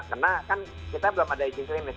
karena kan kita belum ada uji klinis